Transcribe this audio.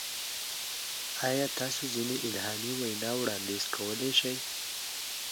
ایا تاسو ځینې الهامي وینا وړاندیز کولی شئ؟